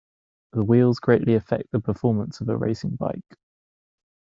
The wheels greatly affect the performance of a racing bike.